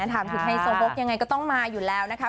ถามถึงไฮโซโพกยังไงก็ต้องมาอยู่แล้วนะคะ